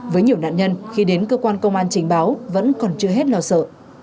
với nhiều nạn nhân khi đến cơ quan công an trình báo vẫn còn chưa hết lo sợ